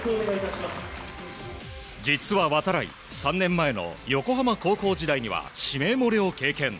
実は度会３年前の横浜高校時代には指名漏れを経験。